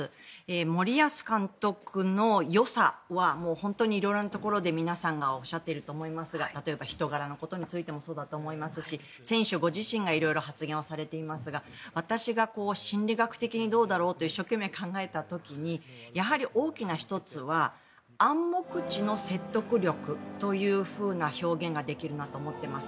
森保監督のよさは本当に色々なところで皆さんがおっしゃっていると思いますが例えば人柄のことについてもそうだと思いますし選手ご自身が色々発言をされていますが私が心理学的にどうだろうと一生懸命考えた時にやはり大きな１つは暗黙知の説得力というような表現ができるなと思っています。